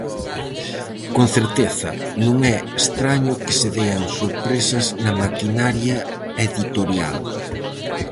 Con certeza, non é estraño que se dean sorpresas na maquinaria editorial.